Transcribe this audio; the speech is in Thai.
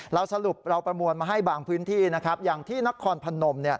เราสรุปเราประมวลมาให้บางพื้นที่นะครับอย่างที่นครพนม